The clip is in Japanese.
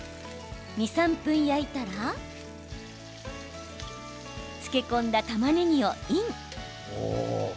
２、３分焼いたら漬け込んだ、たまねぎをイン。